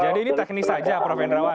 jadi ini teknis saja prof henrawan